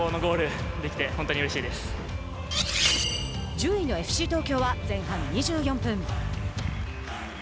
１０位のＦＣ東京は前半２４分。